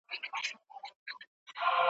نور وګړي به بېخوبه له غپا وي `